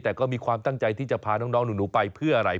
แต่ก็มีความตั้งใจที่จะพาน้องหนูไปเพื่ออะไร